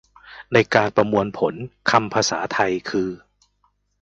ในการประมวลผลคำภาษาไทย คือ